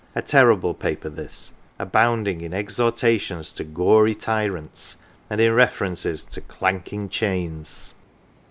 A terrible paper this, abounding in ex hortations to "gory tyrants," and in references to " clanking chains."